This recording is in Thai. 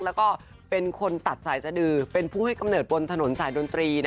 แล้วก็เป็นคนตัดสายสดือเป็นผู้ให้กำเนิดบนถนนสายดนตรี